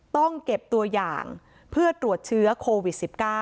ต้องเก็บตัวอย่างเพื่อตรวจเชื้อโควิด๑๙